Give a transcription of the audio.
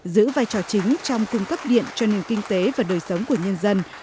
giữ vai trò chính trong cung cấp điện cho nền kinh tế và đời sống của nhân dân